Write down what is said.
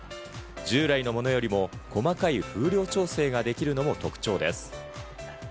従来のものよりも細かい風量調整ができるのも特徴です。